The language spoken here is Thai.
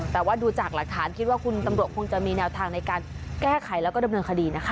แต่ว่าดูจากหลักฐานคิดว่าคุณตำรวจคงจะมีแนวทางในการแก้ไขแล้วก็ดำเนินคดีนะคะ